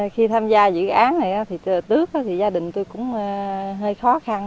khi tham gia dự án này thì trước thì gia đình tôi cũng hơi khó khăn